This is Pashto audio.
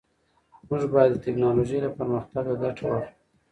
موږ باید د ټیکنالوژۍ له پرمختګ ګټه واخلو.